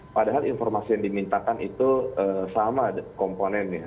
padahal informasi yang dimintakan itu sama komponennya